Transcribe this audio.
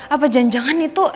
apa janjangan itu